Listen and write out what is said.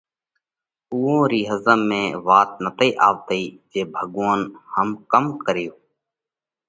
اُوئون رِي ۿزم ۾ وات نتئِي آوَتئِي جي ڀڳوونَ جِي هم ڪم ڪريو؟